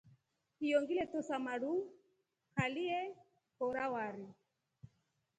Hiyo ngile tosa maru kali ye kora wari.